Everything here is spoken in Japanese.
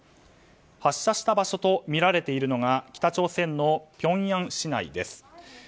発射した場所とみられているのが北朝鮮のピョンヤン市内です。